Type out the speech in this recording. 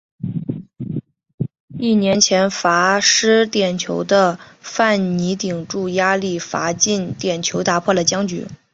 一年前罚失点球的范尼顶住压力罚进点球打破了僵局。